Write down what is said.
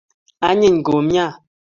anyiny kumyat